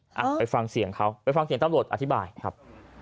อ่ะไปฟังเสียงเขาไปฟังเสียงตำรวจอธิบายครับ